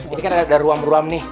ini kan ada ruam ruam nih